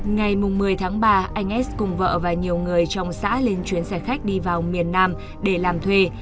ngày một mươi tháng ba anh as cùng vợ và nhiều người trong xã lên chuyến xe khách đi vào miền nam để làm thuê